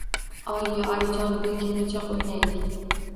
Oyi, Oyijon, berkinmachoq o`ynaylik